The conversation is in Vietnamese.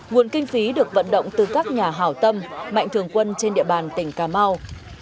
nguồn kinh phí được vận động từ các nhà hảo tâm mạnh thường quân trên địa bàn tỉnh cà mau